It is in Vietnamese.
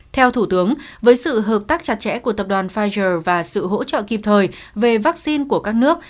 theo thủ tướng với sự hợp tác chặt chẽ của tập đoàn pfizer và sự hỗ trợ kịp thời về vaccine của các nước